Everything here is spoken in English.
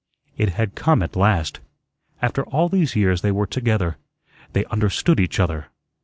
It had come at last. After all these years they were together; they understood each other.